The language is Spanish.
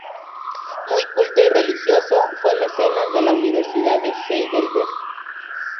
Muy culto y religioso, fue mecenas de la Universidad de Heidelberg.